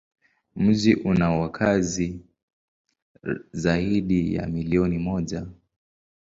Mji una wakazi zaidi ya milioni moja.